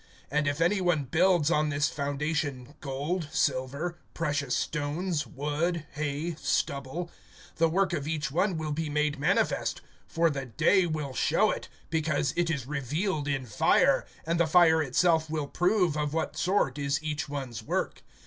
(12)And if any one builds on this foundation gold, silver, precious stones, wood, hay, stubble; (13)the work of each one will be made manifest; for the day will show it, because it is revealed in fire, and the fire itself will prove of what sort is each one's work.